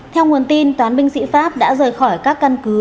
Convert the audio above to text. theo nguồn tin toán binh sĩ pháp đã rời khỏi các căn cứ